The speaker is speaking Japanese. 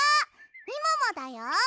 みももだよ！